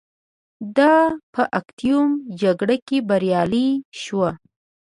دا په اکتیوم په جګړه کې بریالی شو